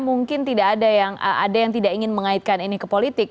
mungkin tidak ada yang tidak ingin mengaitkan ini ke politik